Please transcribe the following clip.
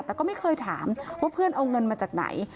แต่ก็ไม่เคยถามว่าเพื่อนเอาเงินมาจากไหน